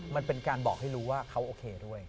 มันเป็นการบอกให้รู้ว่าเขาโอเคด้วย